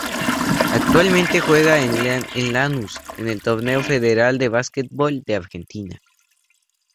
Actualmente juega en Lanús en el Torneo Federal de Básquetbol de Argentina.